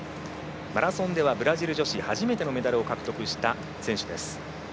マラソンではブラジル女子初めてのメダルを獲得した選手です。